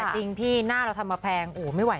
จริงพี่หน้าเราทำมาแพง